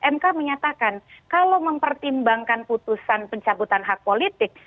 mk menyatakan kalau mempertimbangkan putusan pencabutan hak politik